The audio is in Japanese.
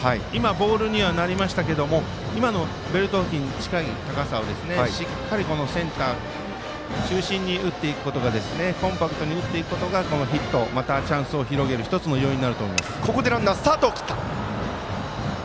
ボールになりましたがベルト付近に近い高さをしっかりセンター中心にコンパクトに打っていくことがヒット、またはチャンスを広げる要因になると思います。